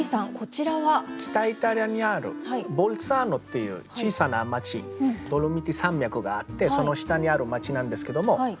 北イタリアにあるボルツァーノっていう小さな町ドロミティ山脈があってその下にある町なんですけども。